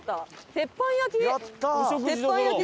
「鉄板焼き」。